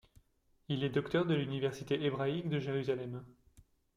Il est docteur de l'université hébraïque de Jérusalem.